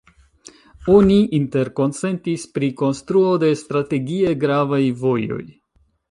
Oni interkonsentis pri konstruo de strategie gravaj vojoj.